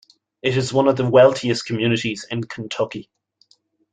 It is one of the wealthiest communities in Kentucky.